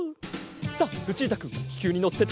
さあルチータくんききゅうにのってたびにでるぞ！